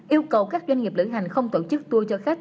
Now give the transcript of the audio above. yêu cầu các doanh nghiệp lữ hành không tổ chức tour cho khách